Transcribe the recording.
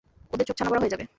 ওদের চোখ ছানাবড়া হয়ে যাবে!